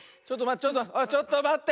ちょっとまって。